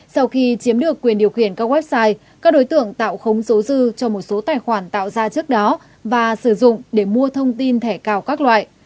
sau khi chiếm được quyền điều khiển các website các đối tượng tạo khống số dư cho một số tài khoản tạo ra trước đó và sử dụng để mua thông tin thẻ cào các loại